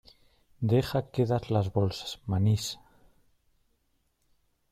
deja quedas las bolsas, manís.